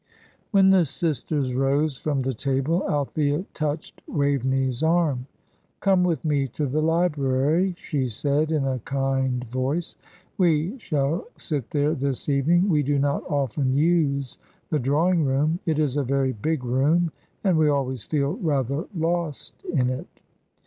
When the sisters rose from the table Althea touched Waveney's arm. "Come with me to the library," she said, in a kind voice. "We shall sit there this evening. We do not often use the drawing room it is a very big room, and we always feel rather lost in it."